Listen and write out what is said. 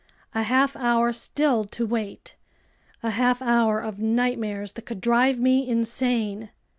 A half hour still to wait! A half hour of nightmares that could drive me insane!